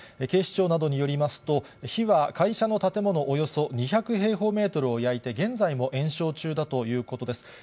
警視庁などによりますと、火は会社の建物およそ２００平方メートルを焼いて、現在も延焼中だということです。